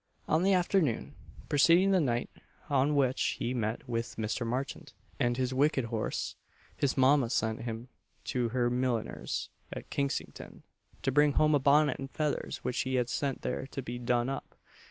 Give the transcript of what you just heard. On the afternoon preceding the night on which he met with Mr. Marchant and his wicked horse, his mama sent him to her milliner's, at Kensington, to bring home a bonnet and feathers which she had sent there to be "done up."